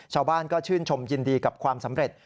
ชาวบ้านก็ชื่นชมยินดีกับความสำเร็จ